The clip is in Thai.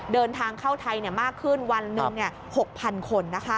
เดินทางเข้าไทยมากขึ้นวันหนึ่ง๖๐๐๐คน